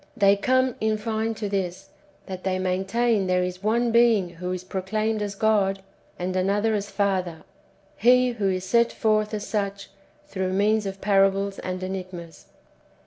They come, [in fine,] to this, that they maintain there is one Being who is proclaimed as God, and another as Father, He who is set forth as such through means of parables and enigmas.